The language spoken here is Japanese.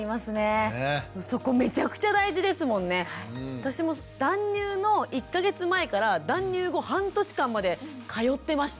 私も断乳の１か月前から断乳後半年間まで通ってました。